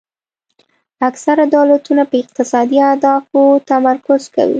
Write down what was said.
اکثره دولتونه په اقتصادي اهدافو تمرکز کوي